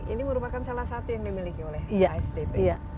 ini merupakan salah satu yang dimiliki oleh asdp